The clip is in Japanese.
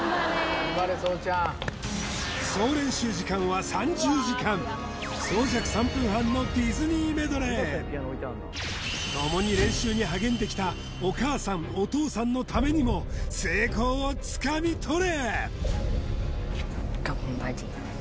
頑張れそうちゃん共に練習に励んできたお母さんお父さんのためにも成功をつかみ取れ！